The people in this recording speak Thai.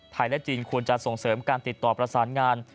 และจีนควรจะส่งเสริมการติดต่อประสานงาน